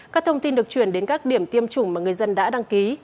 các thông tin được chuyển đến các điểm tiêm chủng mà người dân đã đăng ký